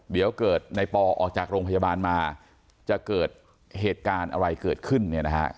เดี๋ยวเกิดในปอออกจากโรงพยาบาลมาจะเกิดเหตุการณ์อะไรเกิดขึ้นเนี่ยนะฮะ